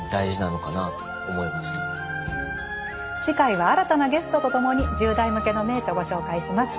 次回は新たなゲストと共に１０代向けの名著ご紹介します。